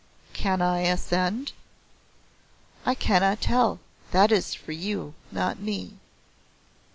"Can I ascend?" "I cannot tell. That is for you, not me.